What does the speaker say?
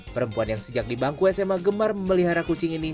perempuan yang sejak di bangku sma gemar memelihara kucing ini